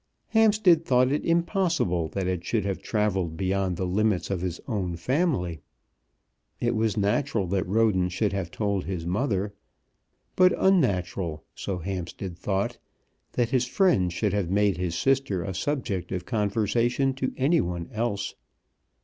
Hampstead thought it impossible that it should have travelled beyond the limits of his own family. It was natural that Roden should have told his mother; but unnatural, so Hampstead thought, that his friend should have made his sister a subject of conversation to any one else.